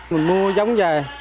mình nuôi giống như vậy